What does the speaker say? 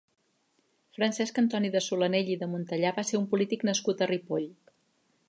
Francesc Antoni de Solanell i de Montellà va ser un polític nascut a Ripoll.